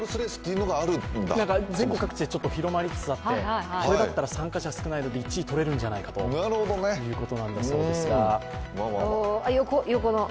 全国各地で広まりつつあって、これだったら参加者が少ないので１位取れるんじゃないかということだそうですが。